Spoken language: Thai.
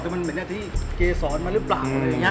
แต่เหม็นที่เกสรมันหรือเปล่า